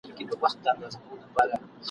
زموږ دي ژوندون وي د مرګ په خوله کي !.